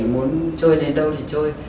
muốn trôi đến đâu thì trôi